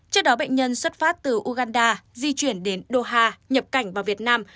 trước đó bệnh nhân xuất phát từ uganda di chuyển đến đô ha nhập cảnh vào việt nam